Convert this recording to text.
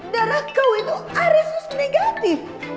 darah kau itu arisis negatif